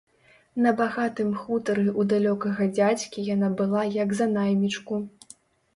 На багатым хутары ў далёкага дзядзькі яна была як за наймічку.